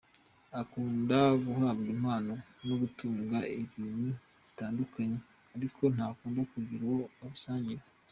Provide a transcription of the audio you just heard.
Akunda guhabwa impano no gutunga ibintu bitandukanye ariko ntakunda kugira uwo babisangira.